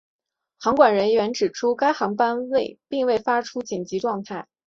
航管人员指出该航班并未发出紧急状态。